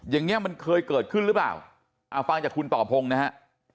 อย่างนี้มันเคยเกิดขึ้นหรือเปล่าเอาฟังจากคุณต่อพงศ์นะฮะ